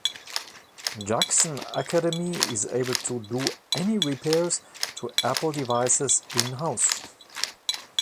Jackson Academy is able to do any repairs to Apple devices in-house.